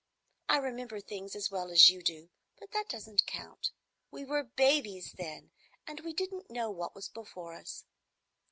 I remember things as well as you do, but that doesn't count. We were babies then, and we didn't know what was before us.